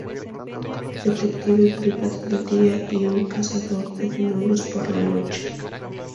Detective privado de día y un cazador de demonios por la noche.